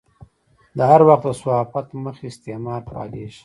د هر وخت د صحافت مخ استعمار فعالېږي.